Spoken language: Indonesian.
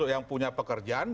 yang punya pekerjaan